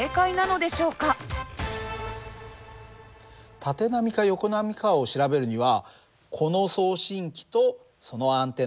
縦波か横波かを調べるにはこの送信機とそのアンテナ。